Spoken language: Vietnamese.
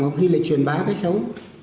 có khi lại truyền bá cái xấu